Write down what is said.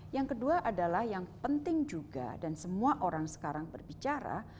yang kedua adalah yang penting juga dan semua orang sekarang berbicara